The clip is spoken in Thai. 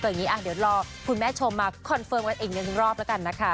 อย่างนี้เดี๋ยวรอคุณแม่ชมมาคอนเฟิร์มกันอีกหนึ่งรอบแล้วกันนะคะ